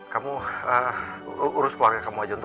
kamu urus keluarga kamu ajanto